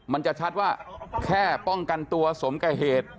มันจะชัดว่าแค่ป้องกันตัวสมกับเหตุ